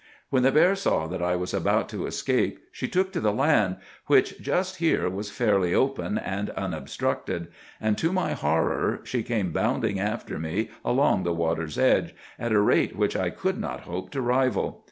When the bear saw that I was about to escape she took to the land, which just here was fairly open and unobstructed; and to my horror she came bounding after me, along the water's edge, at a rate which I could not hope to rival.